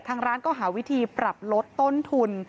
ทางร้านก็หาวิธีปรับลดต้นทุน